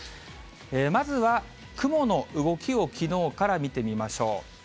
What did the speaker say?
まずは雲の動きをきのうから見てみましょう。